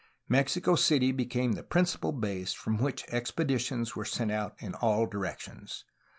Mexico City became the principal base from which expeditions were sent out in all directions.